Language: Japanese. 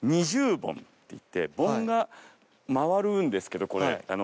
っていって盆が回るんですけどこれ。